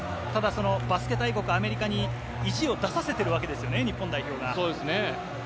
バスケ大国、アメリカに意地を出させているわけですよね、日本代表が。